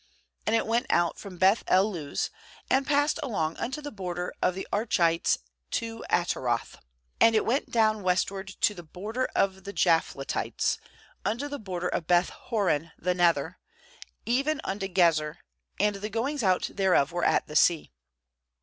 2And it went out from Beth el luz, and passed along unto the border of the Archites to Ataroth. 3And it went down west ward to the border of the Japhletites, unto the border of Beth horon the nether, even unto Gezer; and the goings out thereof were at the sea.